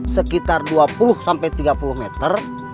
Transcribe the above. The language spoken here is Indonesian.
sekitar dua puluh sampai tiga puluh meter